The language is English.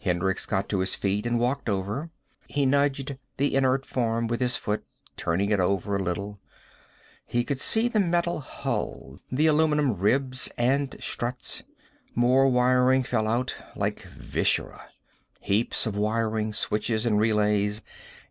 Hendricks got to his feet and walked over. He nudged the inert form with his foot, turning it over a little. He could see the metal hull, the aluminum ribs and struts. More wiring fell out. Like viscera. Heaps of wiring, switches and relays.